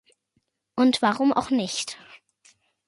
Und warum auch nicht.